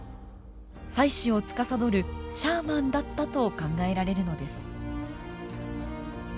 祭祀をつかさどるシャーマンだったと考えられるのです。